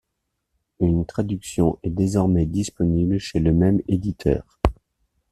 Une traduction est désormais disponible chez le même éditeur.